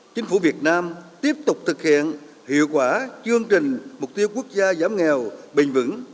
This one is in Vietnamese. chính phủ việt nam tiếp tục thực hiện hiệu quả chương trình mục tiêu quốc gia giảm nghèo bình vững